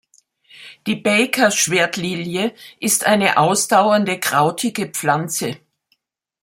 Die Baker-Schwertlilie ist eine ausdauernde krautige Pflanze.